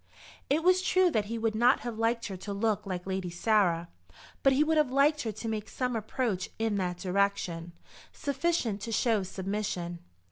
It was true that he would not have liked her to look like Lady Sarah, but he would have liked her to make some approach in that direction, sufficient to show submission.